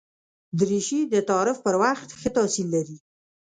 دریشي د تعارف پر وخت ښه تاثیر لري.